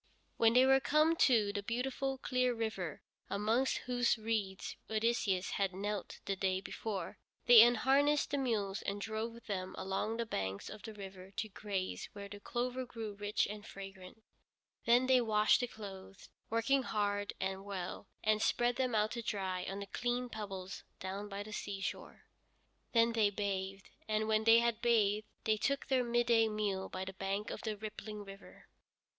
When they were come to the beautiful, clear river, amongst whose reeds Odysseus had knelt the day before, they unharnessed the mules and drove them along the banks of the river to graze where the clover grew rich and fragrant. Then they washed the clothes, working hard and well, and spread them out to dry on the clean pebbles down by the seashore. Then they bathed, and when they had bathed they took their midday meal by the bank of the rippling river.